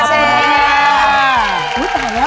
อุ๊ยแต่ชับ